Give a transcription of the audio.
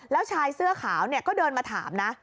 แล้วชายเสื้อขาวก็เดินมาถามนะ